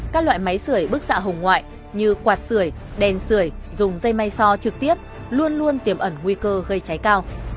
các loại máy sửa bức xạ hồng ngoại như quạt sửa đèn sửa dùng dây may so trực tiếp luôn luôn tiềm ẩn nguy cơ gây cháy cao